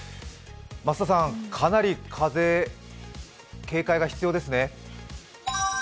増田さん、かなり風警戒が必要ですね。